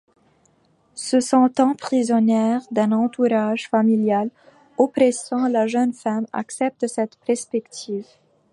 Se sentant prisonnière d'un entourage familial oppressant, la jeune femme accepte cette perspective.